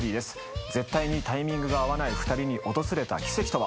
絶対にタイミングが合わない２人に訪れた奇跡とは？